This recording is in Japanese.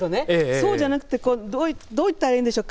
そうじゃなくてどう言ったらいいんでしょう。